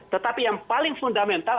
tetapi yang paling fundamental